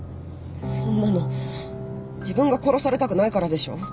そんなの自分が殺されたくないからでしょ。